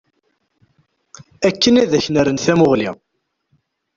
Akken ad ak-n-rrent tamuɣli.